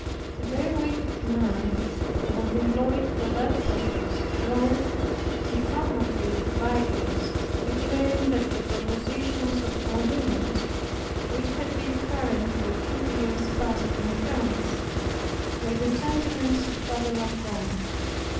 A very wicked man who was employed for that purpose, wrote defamatory libels, declaring that the propositions of Molinos, which had been current for two year past in France, were the sentiments of Father La Combe.